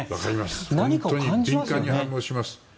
本当に敏感に入ります。